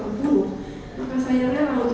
pemburu maka saya rela untuk